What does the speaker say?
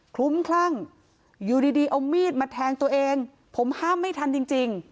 ลุ้มคลั่งอยู่ดีเอามีดมาแทงตัวเองผมห้ามไม่ทันจริง